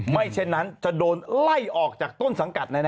เช่นนั้นจะโดนไล่ออกจากต้นสังกัด